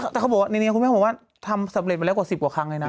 แต่เขาบอกว่าทำสำเร็จมาแล้วกว่า๑๐กว่าครั้งเลยนะ